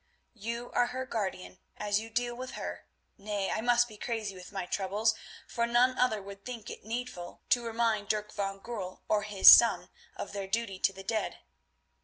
"You are her guardian, as you deal with her—nay, I must be crazy with my troubles, for none other would think it needful to remind Dirk van Goorl or his son of their duty to the dead.